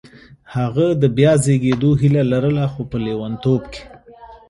هغه د بیا زېږېدو هیله لرله خو په لېونتوب کې